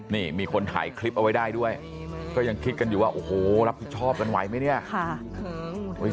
นี่มีคนถ่ายคลิปเอาไว้ได้ด้วยก็ยังคิดกันอยู่ว่าโอ้โหรับผิดชอบกันไหวไหมเนี่ย